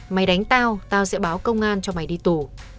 mày đánh tao tao sẽ báo công an cho mày đi tù